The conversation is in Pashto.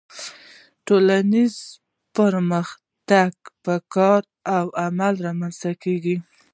ټولنیز پرمختګ په کار او عمل رامنځته کیږي